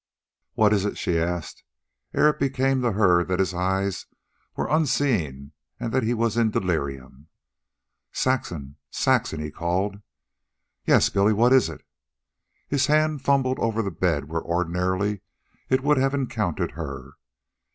"What is it?" she asked, ere it came to her that his eyes were unseeing and that he was in delirium. "Saxon!... Saxon!" he called. "Yes, Billy. What is it?" His hand fumbled over the bed where ordinarily it would have encountered her.